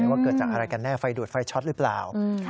ว่าเกิดจากอะไรกันแน่ไฟดูดไฟช็อตหรือเปล่า